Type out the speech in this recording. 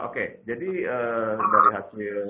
oke jadi dari hasil